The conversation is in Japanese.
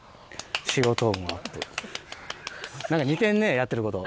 何か似てるねやってること。